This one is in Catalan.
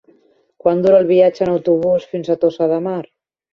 Quant dura el viatge en autobús fins a Tossa de Mar?